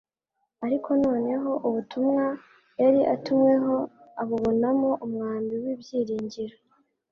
ariko noneho ubutumwa yari atumweho abubonamo umwambi w'ibyiringiro